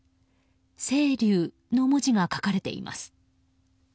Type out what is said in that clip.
「せいりゅう」の文字が書かれています。